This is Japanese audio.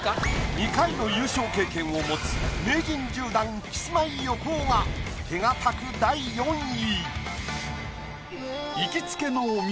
２回の優勝経験を持つ名人１０段キスマイ・横尾が手堅く第４位。